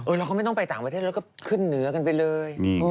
เราก็ไม่ต้องไปต่างประเทศแล้วก็ขึ้นเหนือกันไปเลย